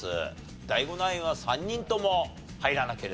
ＤＡＩＧＯナインは３人とも入らなければならない。